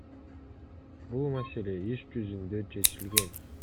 Бул маселе иш жүзүндө чечилген.